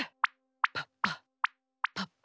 パッパパッパ。